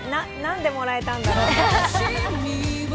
何でもらえたんだろう？